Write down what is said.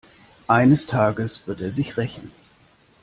Eines Tages wird er sich rächen.